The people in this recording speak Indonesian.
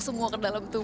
ya udah yuk